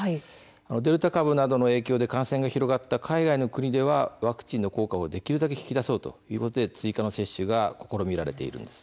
デルタ株などの影響で感染が広がった海外の国ではワクチンの効果をなるべく引き出そうと追加の接種が試みられているんです。